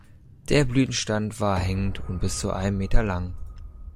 Der Blütenstand war hängend und bis zu einem Meter lang.